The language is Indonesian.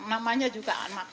namanya juga anak